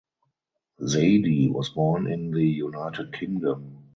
Zaidi was born in the United Kingdom.